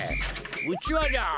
うちわじゃ。